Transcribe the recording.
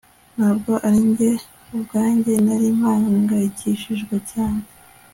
Ntabwo ari njye ubwanjye nari mpangayikishijwe cyane